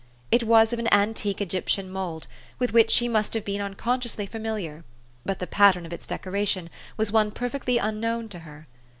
It was of an antique Egj'ptian mould, with which she must have been unconsciously familiar ; but the pattern of its decoration was one perfectly unknown to her.